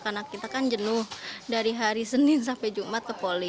karena kita kan jenuh dari hari senin sampai jumat ke poli